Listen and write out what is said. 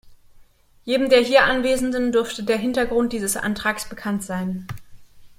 Jedem der hier Anwesenden dürfte der Hintergrund dieses Antrags bekannt sein.